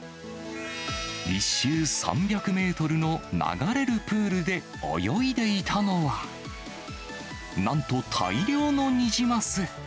１周３００メートルの流れるプールで泳いでいたのは、なんと大量のニジマス。